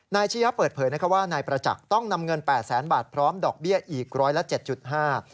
ชียะเปิดเผยนะคะว่านายประจักษ์ต้องนำเงินแปดแสนบาทพร้อมดอกเบี้ยอีกร้อยละเจ็ดจุดห้า